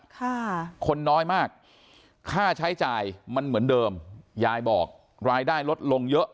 ค่ะคนน้อยมากค่าใช้จ่ายมันเหมือนเดิมยายบอกรายได้ลดลงเยอะ